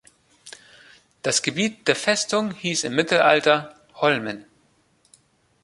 Das Gebiet der Festung hieß im Mittelalter "Holmen".